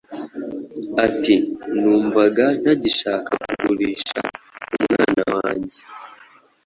ati numvaga ntagishaka kugurisha umwana wanjye